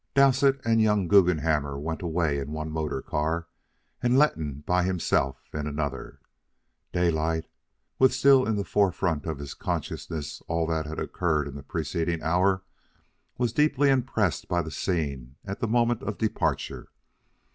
Dowsett and young Guggenhammer went away in one motor car, and Letton by himself in another. Daylight, with still in the forefront of his consciousness all that had occurred in the preceding hour, was deeply impressed by the scene at the moment of departure.